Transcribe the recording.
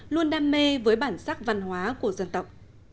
luôn đam mê với bản sắc văn hóa của dân tộc